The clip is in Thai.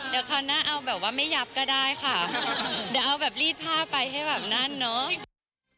เดี๋ยวคราวหน้าเอาแบบว่าไม่ยับก็ได้ค่ะเดี๋ยวเอาแบบรีดผ้าไปให้แบบนั่นเนาะ